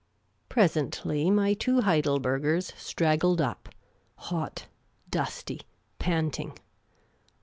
Presently, my two Heidelbergers straggled up — hot, dusty, panting.